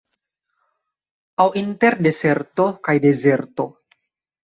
Aŭ inter deserto kaj dezerto?